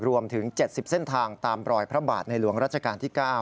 รวมถึง๗๐เส้นทางตามรอยพระบาทในหลวงรัชกาลที่๙